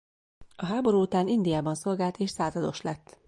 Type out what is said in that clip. A háború után Indiában szolgált és százados lett.